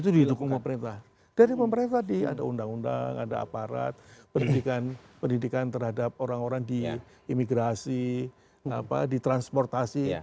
itu didukung pemerintah dari pemerintah tadi ada undang undang ada aparat pendidikan terhadap orang orang di imigrasi apa di transportasi